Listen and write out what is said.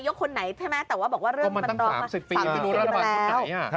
คนไหนใช่ไหมแต่ว่าบอกว่าเรื่องมันร้องมา๓๐ปีมาแล้ว